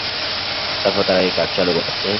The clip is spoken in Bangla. তারপর তারা এই কার্ড চালু আছে।